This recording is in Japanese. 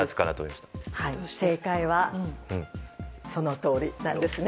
正解は、そのとおりなんですね。